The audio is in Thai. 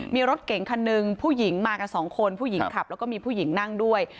มีรถเก่งคันหนึ่งผู้หญิงมากันสองคนผู้หญิงขับแล้วก็มีผู้หญิงนั่งด้วย